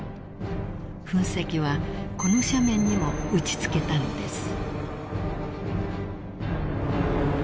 ［噴石はこの斜面にも打ち付けたのです］